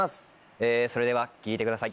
えそれでは聴いてください。